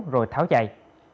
rồi tháo chạy